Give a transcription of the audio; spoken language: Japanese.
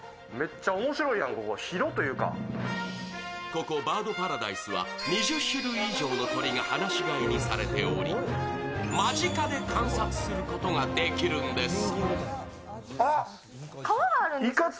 ここ、バードパラダイスは２０種類以上の鳥が放し飼いにされており、間近で観察することができるんです。